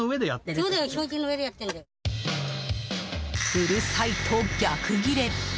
うるさい！と逆ギレ。